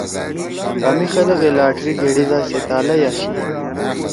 کامے خلگے لاٹری گھیڑی دا سے تالئی آشی۔